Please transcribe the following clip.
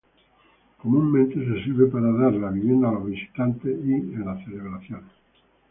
Comúnmente se sirve para dar la bienvenida a los visitantes y en las celebraciones.